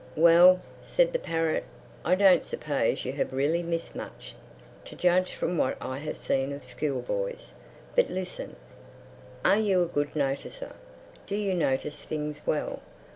"Well," said the parrot, "I don't suppose you have really missed much—to judge from what I have seen of school boys. But listen: are you a good noticer?—Do you notice things well?